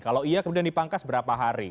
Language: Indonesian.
kalau iya kemudian dipangkas berapa hari